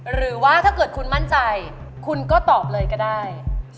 หรือว่าถ้าเกิดคุณมั่นใจคุณก็ตอบเลยก็ได้